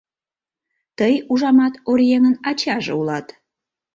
Тый, ужамат, оръеҥын ачаже улат?